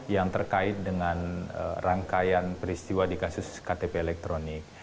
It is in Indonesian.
yang terkait dengan rangkaian peristiwa di kasus ktp elektronik